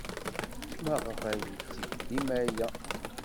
Maɣef ay yetteg dima aya?